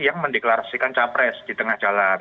yang mendeklarasikan capres di tengah jalan